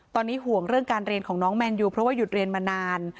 ตอนนี้ห่วงเรื่องการเรียนของน้องแมนยูเพราะว่าหยุดเรียนมานาน